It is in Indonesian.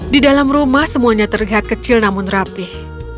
di dalam rumah semuanya terlihat kecil namun rapih